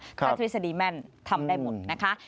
ถ้าทฤษฎีแม่นทำได้หมดนะคะ